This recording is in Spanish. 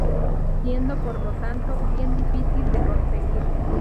Siendo por lo tanto bien difícil de conseguir.